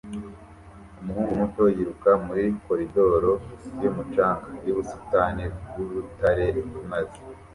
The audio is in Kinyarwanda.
Umuhungu muto yiruka muri koridoro yumucanga yubusitani bwurutare maze